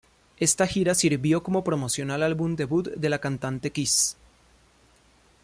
Esta gira sirvió como promoción al álbum debut de la Cantante Kiss.